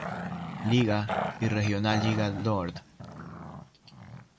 Liga y Regionalliga Nord.